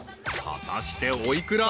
果たしてお幾ら？］